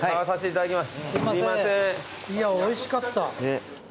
いやおいしかった。